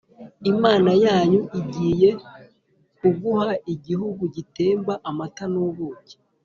Imana yanyu agiye kuguha igihugu gitemba amata n ubuki